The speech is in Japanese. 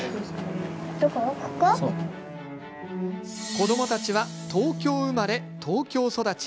子どもたちは東京生まれ東京育ち。